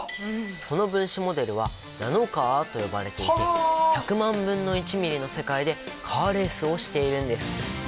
この分子モデルはナノカーと呼ばれていて１００万分の１ミリの世界でカーレースをしているんです。